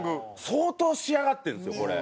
相当仕上がってるんですよこれ。